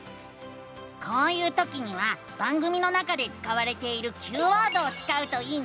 こういうときには番組の中で使われているＱワードを使うといいのさ！